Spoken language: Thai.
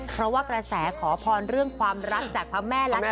เพราะว่ากระแสขอพรเรื่องความรักจากพระแม่รักษ